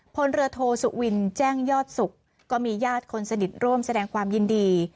พลเรือโทสุวินแจ้งยอดสุขก็มีญาติคนสนิทร่วมแสดงความยินดี